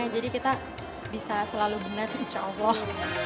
jadi kita bisa selalu benar insya allah